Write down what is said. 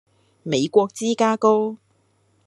美國芝加哥